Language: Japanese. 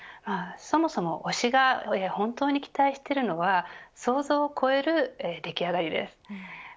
そもそも推しが本当に期待しているのは想像を超えるでき上がりです。